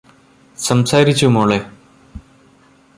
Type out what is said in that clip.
സംസാരിച്ചു മോളെ